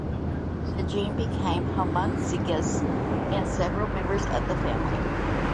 The gene became homozygous in several members of the family.